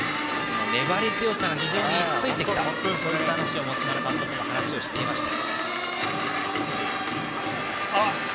粘り強さが非常についてきたと持丸監督も話をしていました。